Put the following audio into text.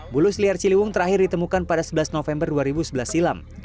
bulus liar ciliwung terakhir ditemukan pada sebelas november dua ribu sebelas silam